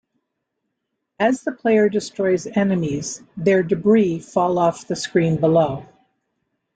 As the player destroys enemies, their debris fall off the screen below.